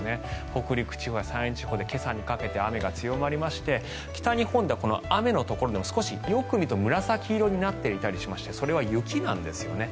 北陸地方や山陰地方で今朝にかけて雨が強まりまして北日本では雨のところでもよく見ると紫色になっていたりしましてそれは雪なんですよね。